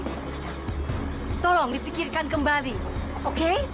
pak tristan tolong dipikirkan kembali oke